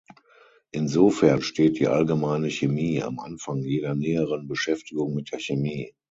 Insofern steht die Allgemeine Chemie am Anfang jeder näheren Beschäftigung mit der Chemie.